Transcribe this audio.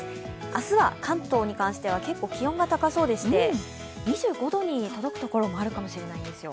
明日は関東に関しては結構気温が高そうでして、２５度に届く所もあるかもしれないんですよ。